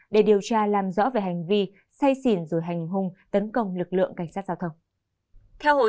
để điều tra làm rõ về hành vi say xỉn rồi hành hung tấn công lực lượng cảnh sát giao thông